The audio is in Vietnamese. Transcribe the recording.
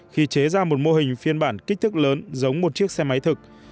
khi chế ra một mô hình phiên bản kích thước lớn giống một chiếc xe máy thực